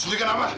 suntik kan apa